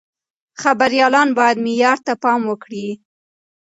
خبريالان بايد معيار ته پام وکړي.